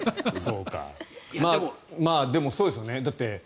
でも、そうですよね。